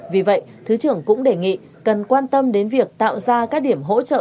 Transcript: vì vậy thứ trưởng cũng đề nghị cần quan tâm đến việc tạo ra các điểm hỗ trợ